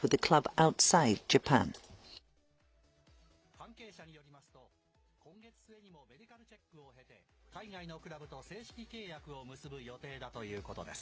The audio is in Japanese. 関係者によりますと、今月末にもメディカルチェックを経て、海外のクラブと正式契約を結ぶ予定だということです。